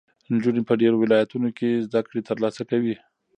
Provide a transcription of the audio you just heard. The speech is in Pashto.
نجونې په ډېرو ولایتونو کې زده کړې ترلاسه کوي.